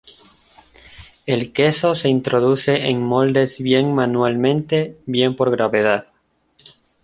El queso se introduce en moldes bien manualmente, bien por gravedad.